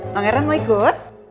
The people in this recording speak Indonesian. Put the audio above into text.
pangeran mau ikut